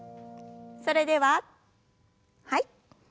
それでははい。